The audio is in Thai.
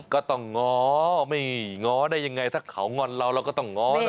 ก็ต้องง้อไม่ง้อได้ยังไงถ้าเขางอนเราเราก็ต้องง้อเรา